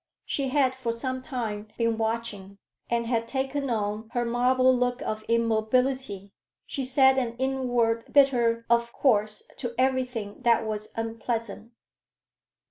She had for some time been watching, and had taken on her marble look of immobility. She said an inward bitter "Of course!" to everything that was unpleasant.